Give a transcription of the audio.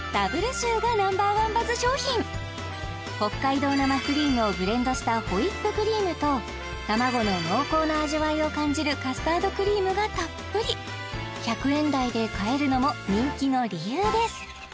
シューがＮｏ．１バズ商品北海道生クリームをブレンドしたホイップクリームと卵の濃厚な味わいを感じるカスタードクリームがたっぷり１００円台で買えるのも人気の理由です・